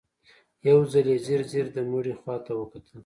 يو ځل يې ځير ځير د مړي خواته وکتل.